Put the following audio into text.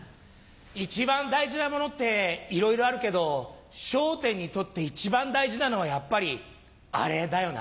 一番大事なものっていろいろあるけど『笑点』にとって一番大事なのはやっぱりアレだよな。